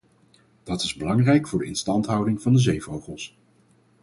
Dat is belangrijk voor de instandhouding van de zeevogels.